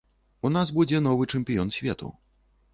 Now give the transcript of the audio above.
У нас будзе новы чэмпіён свету.